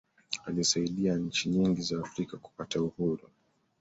aliisaidia nchi nyingi za afrika kupata uhuru